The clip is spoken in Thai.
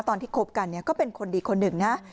ตอนที่คบกันเนี่ยก็เป็นคนดีคนหนึ่งนะ